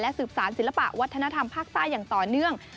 สืบสารศิลปะวัฒนธรรมภาคใต้อย่างต่อเนื่อง